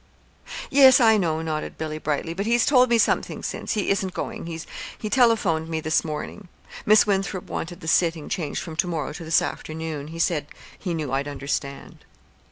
"Yes, I know," nodded Billy, brightly; "but he's told me something since. He isn't going. He telephoned me this morning. Miss Winthrop wanted the sitting changed from to morrow to this afternoon. He said he knew I'd understand."